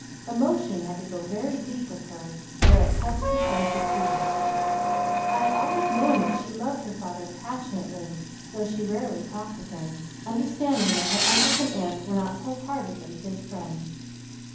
Emotion had to go very deep with her ere it touched the source of tears. I had always known that she loved her father passionately, though she rarely talked of him, understanding that her uncles and aunts were not whole heartedly his friends.